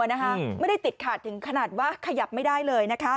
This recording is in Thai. ทั้งตัวไม่ได้ติดขาดถึงขนาดว่าขยับไม่ได้เลย